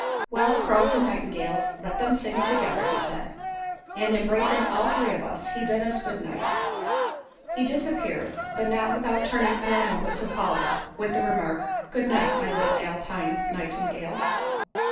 "Well, crows and nightingales let them sing together," he said; and embracing all three of us, he bid us goodnight. He disappeared, but not without turning for a moment to Paula with the remark, "Good night, my little Alpine nightingale."